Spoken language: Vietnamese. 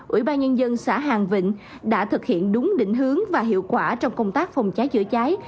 ủy ban nhân dân xã hàng vịnh đã thực hiện đúng định hướng và hiệu quả trong công tác phòng cháy chữa cháy